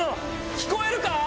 聞こえるか？